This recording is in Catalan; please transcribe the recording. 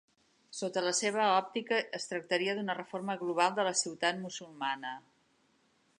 Sota la seva òptica es tractaria, d'una reforma global de la ciutat musulmana.